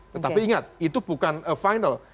tetapi ingat itu bukan final